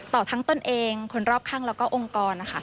ต่อทั้งตนเองคนรอบข้างแล้วก็องค์กรนะคะ